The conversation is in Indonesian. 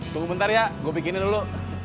tunggu bentar ya gue bikinin dulu